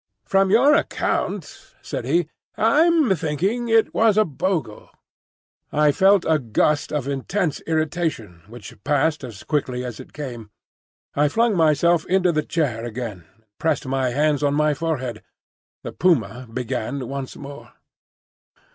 "From your account," said he, "I'm thinking it was a bogle." I felt a gust of intense irritation, which passed as quickly as it came. I flung myself into the chair again, and pressed my hands on my forehead. The puma began once more.